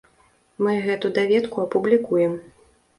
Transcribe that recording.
Мы гэту даведку апублікуем.